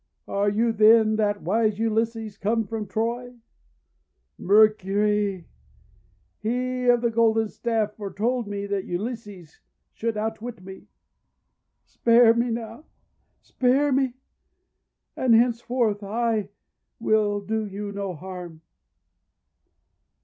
Are you then that wise Ulysses come from Troy? Mercury he of the golden staff foretold to me that Ulysses should THE ENCHANTED SWINE 395 outwit me! Spare me now! spare me! And henceforth I will do you no harm!'